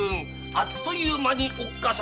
あっと言う間におっかさん。